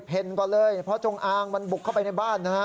เห็นก่อนเลยเพราะจงอางมันบุกเข้าไปในบ้านนะฮะ